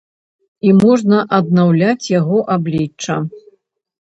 І можна аднаўляць яго аблічча.